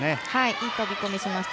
いい飛び込みをしました。